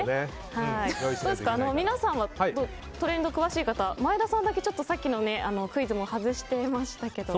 皆さんは、トレンド詳しい方前田さんだけ、さっきのクイズも外してましたけど。